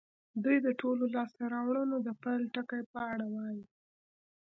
دوی د ټولو لاسته راوړنو د پيل ټکي په اړه وايي.